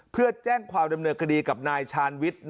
เพื่อแจ้งความเริ่มเนิดกดีกับนายชานวิทย์